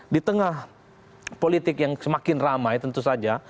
di tengah politik yang semakin ramai tentu saja